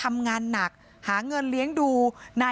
พี่น้องของผู้เสียหายแล้วเสร็จแล้วมีการของผู้เสียหาย